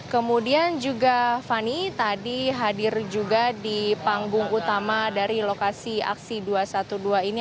kemudian juga fani tadi hadir juga di panggung utama dari lokasi aksi dua ratus dua belas ini